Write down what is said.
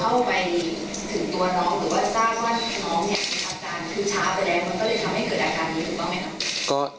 เราเข้าไปถึงตัวน้องหรือว่าทราบที่น้องอาจจะหักตาล